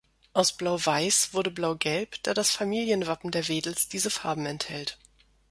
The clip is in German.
Aus Blau-Weiß wurde Blau-Gelb, da das Familienwappen der Wedels diese Farben enthält.